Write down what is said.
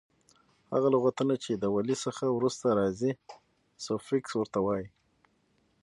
هغه لغتونه چي د ولي څخه وروسته راځي؛ سوفیکس ور ته وایي.